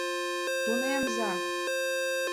Тунемза!